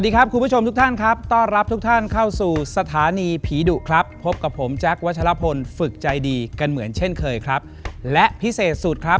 คนไข้เพศนั้นนะคะ